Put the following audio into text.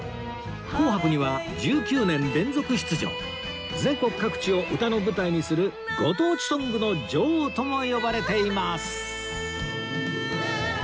『紅白』には１９年連続出場全国各地を歌の舞台にする「ご当地ソングの女王」とも呼ばれています